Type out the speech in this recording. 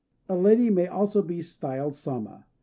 A lady may also be styled "Sama."